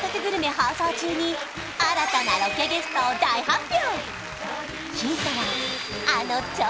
放送中に新たなロケゲストを大発表！